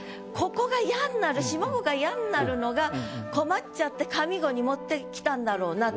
ここが「や」になる下句が「や」になるのが困っちゃって上五に持ってきたんだろうなと。